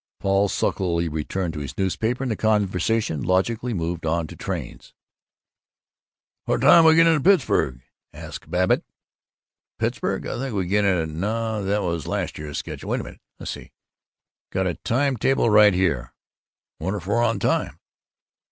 Paul sulkily returned to his newspaper and the conversation logically moved on to trains. "What time do we get into Pittsburg?" asked Babbitt. "Pittsburg? I think we get in at no, that was last year's schedule wait a minute let's see got a time table right here." "I wonder if we're on time?"